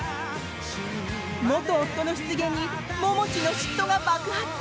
元夫の出現に桃地の嫉妬が爆発。